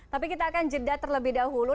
tapi kita akan jeda terlebih dahulu